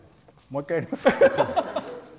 もう一回、やりますか？